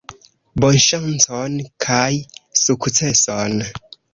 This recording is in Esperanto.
Bonŝancon kaj sukceson!